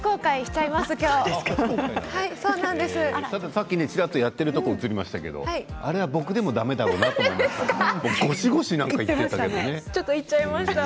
ちらっとやってるところ映りましたが、あれは僕でもだめだなと思いました。